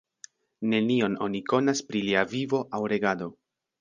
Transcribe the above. Nenion oni konas pri lia vivo aŭ regado.